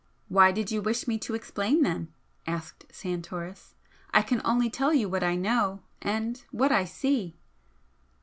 "Why did you wish me to explain, then?" asked Santoris "I can only tell you what I know, and what I see!"